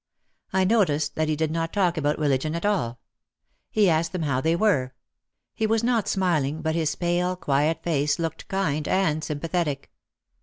I noticed that he did not talk about religion at all. He asked them how they were. He was not smiling but his pale, quiet face looked kind and sympathetic.